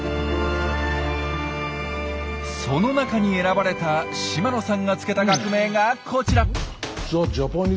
その中に選ばれた島野さんがつけた学名がこちら。